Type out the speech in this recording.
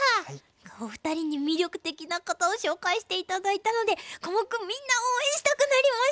お二人に魅力的な方を紹介して頂いたのでコモクみんな応援したくなりました！